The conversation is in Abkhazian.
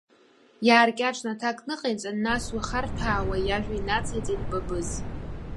Иааркьаҿны аҭак ныҟаиҵан, нас уи харҭәаауа иажәа инациҵеит Бабыз.